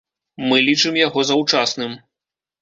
Мы лічым яго заўчасным.